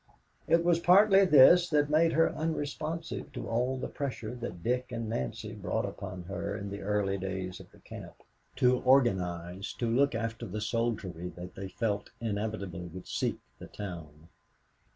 It was partly this that made her unresponsive to all the pressure that Dick and Nancy brought upon her in the early days of the camp, to organize, to look after the soldiery that they felt inevitably would seek the town.